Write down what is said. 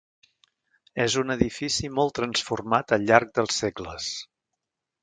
És un edifici molt transformat al llarg dels segles.